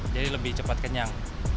jadi lebih cepat kenyang